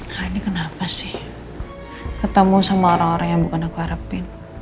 hadi kenapa sih ketemu sama orang orang yang bukan aku harapin